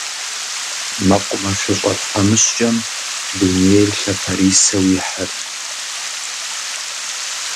МэкъумэшыщӀэ тхьэмыщкӀэм дунейр лъапэрисэу ихьырт.